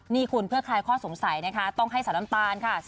นี่คุณเพื่อคลายข้อสงสัยนะคะต้องให้สาวน้ำตาลค่ะ